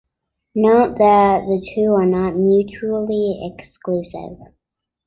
Note that the two are not mutually exclusive.